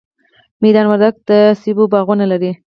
میدان وردګ د مڼو باغونه لري